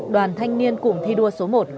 đoàn thanh niên cùng thi đua số một